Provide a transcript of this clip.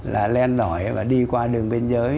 là lên lõi và đi qua đường bên giới